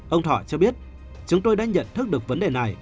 ông thọ cho biết chúng tôi đã nhận thức được vấn đề này